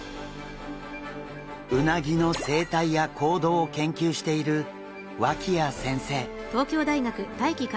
うなぎの生態や行動を研究している脇谷先生。